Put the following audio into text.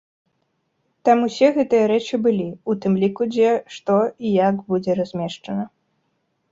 Там усе гэтыя рэчы былі, у тым ліку дзе, што і як будзе размешчана.